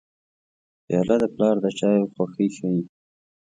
پیاله د پلار د چایو خوښي ښيي.